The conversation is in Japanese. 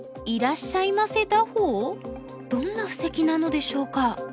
どんな布石なのでしょうか？